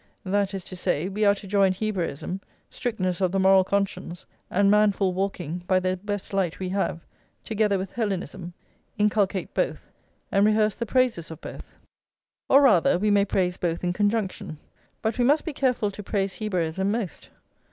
That is to say, we are to join Hebraism, strictness of the moral conscience, and manful walking by the best light we have, together with Hellenism, inculcate both, and rehearse the praises of both. Or, rather, we may praise both in conjunction, but we must be careful to praise Hebraism most.